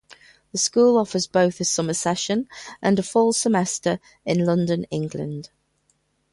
The school offers both a summer session and a fall semester in London, England.